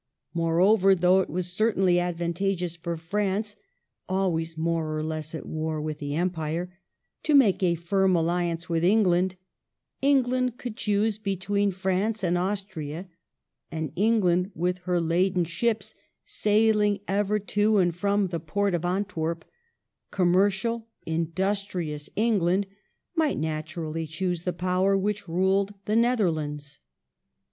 Moreover, though it was certainly advantageous for France — always more or less at war with the Empire — to make a firm alli ance with England, England could choose be tween France and Austria; and England, with her laden ships sailing ever to and from the port of Antwerp, — commercial, industrious England might naturally choose the power which ruled the Netherlands.